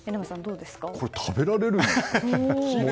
これ、食べられるんですか？